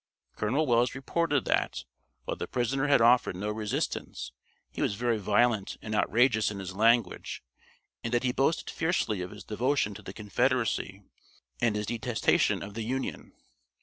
Colonel Wells reported that, while the prisoner had offered no resistance, he was very violent and outrageous in his language, and that he boasted fiercely of his devotion to the Confederacy and his detestation of the Union.